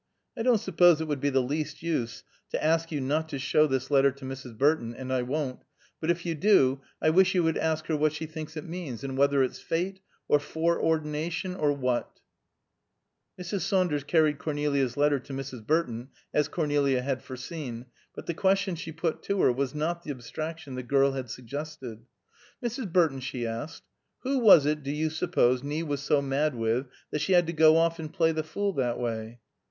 "I don't suppose it would be the least use to ask you not to show this letter to Mrs. Burton, and I won't, but if you do, I wish you would ask her what she thinks it means, and whether it's fate, or foreordination, or what." Mrs. Saunders carried Cornelia's letter to Mrs. Burton, as Cornelia had foreseen, but the question she put to her was not the abstraction the girl had suggested. "Mrs. Burton," she asked, "who was it do you suppose Nie was so mad with that she had to go off and play the fool, that way?"